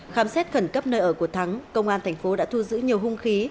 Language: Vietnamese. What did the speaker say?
khám xét khẩn cấp nơi ở của thắng công an tp đã thu giữ nhiều hung khí